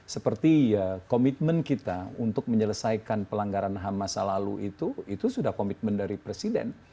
seperti komitmen kita untuk menyelesaikan pelanggaran ham masa lalu itu itu sudah komitmen dari presiden